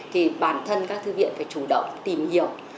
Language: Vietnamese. thì bản thân các thư viện phải chủ động tìm hiểu